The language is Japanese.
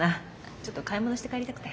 ちょっと買い物して帰りたくて。